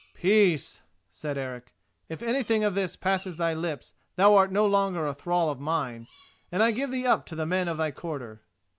"Peace!" said Eric; "if anything of this passes thy lips thou art no longer a thrall of mine, and I give thee up to the men of thy quarter."